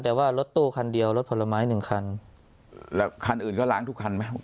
แต่ว่ารถตู้คันเดียวรถผลไม้หนึ่งคันอื่นก็ล้างทุกคันไหม